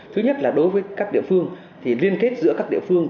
thứ nhất là đối với các địa phương thì liên kết giữa các địa phương